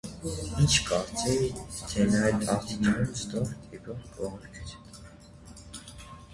ի՞նչ կկարծեի, թե նա այդ աստիճան ստոր կերպով կվարվի քեզ հետ…